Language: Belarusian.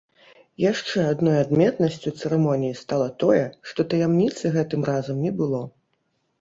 Яшчэ адной адметнасцю цырымоніі стала тое, што таямніцы гэтым разам не было.